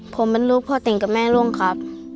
ผมเป็นลูกพ่อติ่งกับแม่รุ่งครับ